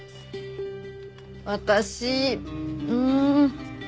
私うん。